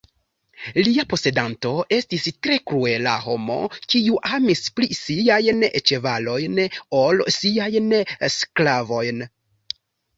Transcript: Lia posedanto estis tre kruela homo, kiu amis pli siajn ĉevalojn ol siajn sklavojn.